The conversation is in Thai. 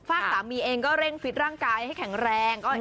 สามีเองก็เร่งฟิตร่างกายให้แข็งแรง